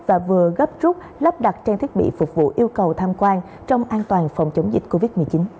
và vừa gấp trúc lắp đặt trang thiết bị phục vụ yêu cầu tham quan trong an toàn phòng chống dịch covid một mươi chín